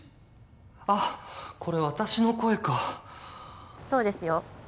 あっこれ私の声かそうですよ